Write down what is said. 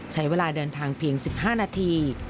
ใช้เวลาเดินทางเพียง๑๕นาที